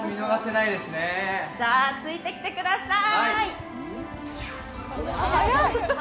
さぁ、ついてきてください。